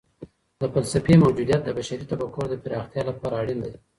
د فلسفې موجودیت د بشري تفکر د پراختیا لپاره اړین دی.